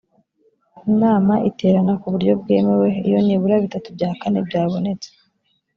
inama iterana ku buryo bwemewe iyo nibura bitatu bya kane byabonetse